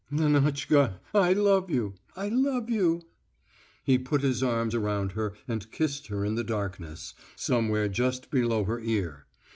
"Lenotchka, I love you; I love you...." He put his arms around her and kissed her in the darkness, somewhere just below her ear.